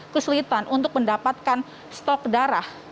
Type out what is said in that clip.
kesulitan untuk mendapatkan stok darah